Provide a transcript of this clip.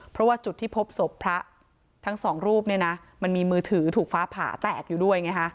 เพราะว่าจุดที่พบศพพระทั้งสองรูปเนี่ยนะมันมีมือถือถูกฟ้าผ่าแตกอยู่ด้วยไงฮะ